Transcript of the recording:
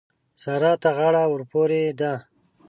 سارا ته غاړه ورپورې ده.